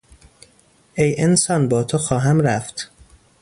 ای انسان با تو خواهم رفت.